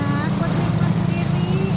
buat pilih kemas sendiri